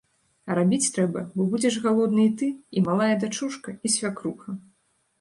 А рабіць трэба, бо будзеш галодны і ты, і малая дачушка, і свякруха.